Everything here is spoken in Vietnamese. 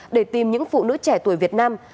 để tìm những phụ nữ trẻ tuổi việt nam